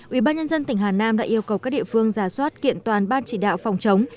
ubnd tỉnh hà nam đã yêu cầu các địa phương giả soát kiện toàn ban chỉ đạo phòng chống